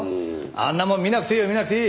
あんなもん見なくていいよ見なくていい！